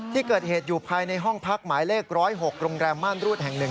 ที่เกิดเหตุอยู่ภายในห้องพักหมายเลข๑๐๖โรงแรมม่านรูดแห่ง๑